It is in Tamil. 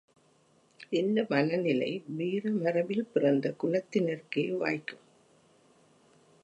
இந்த மனநிலை வீரமரபில் பிறந்த குலத்தினருக்கே வாய்க்கும்.